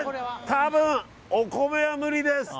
多分、お米は無理です。